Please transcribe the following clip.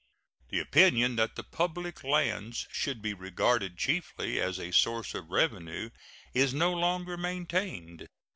The opinion that the public lands should be regarded chiefly as a source of revenue is no longer maintained.